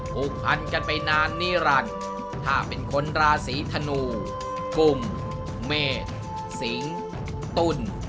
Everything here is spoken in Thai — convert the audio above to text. ผูกพันกันไปนานนิรันดิ์ถ้าเป็นคนราศีธนูกุมเมษสิงตุ้น